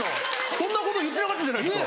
そんなこと言ってなかったじゃないですか。